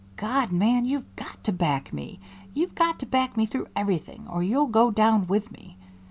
"God, man! you've got to back me! You've got to back me through everything, or you'll go down with me.